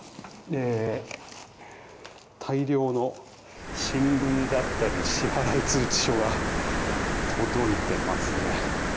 大量の新聞だったり支払通知書が届いていますね。